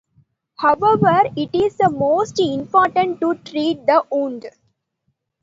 However, it is most important to treat the wound.